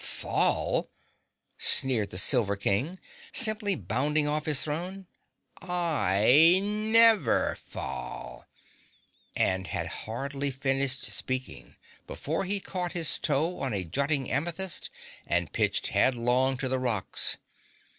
"Fall!" sneered the Silver King, simply bounding off his throne. "I NEVER fall!" and had hardly finished speaking before he caught his toe on a jutting amethyst and pitched headlong to the rocks.